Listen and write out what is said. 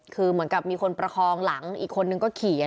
คือเหมือนกับมีคนประคองหลังอีกคนนึงก็เขียน